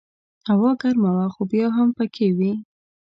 هوا ګرمه وه خو بیا هم پکې وې.